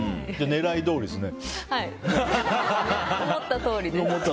狙いどおりですね。